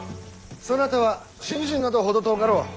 そなたは信心など程遠かろう。